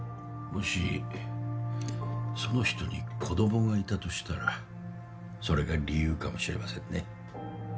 もしその人に子供がいたとしたらそれが理由かもしれませんね